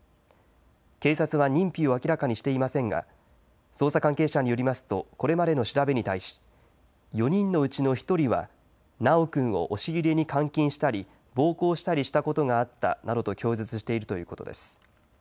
警察は認否を明らかにしていませんが捜査関係者によりますとこれまでの調べに対し４人のうちの１人は修君を押し入れに監禁したり暴行したりしたことがあったなどと供述しているということです。